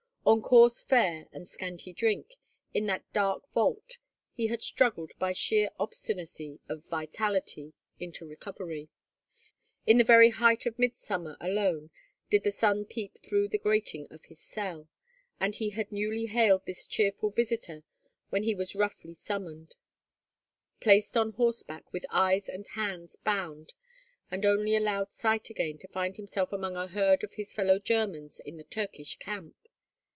On coarse fare and scanty drink, in that dark vault, he had struggled by sheer obstinacy of vitality into recovery. In the very height of midsummer alone did the sun peep through the grating of his cell, and he had newly hailed this cheerful visitor when he was roughly summoned, placed on horseback with eyes and hands bound, and only allowed sight again to find himself among a herd of his fellow Germans in the Turkish camp.